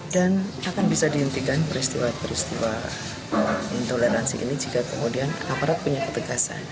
dan akan bisa dihentikan peristiwa peristiwa intoleransi ini jika kemudian aparat punya ketegasan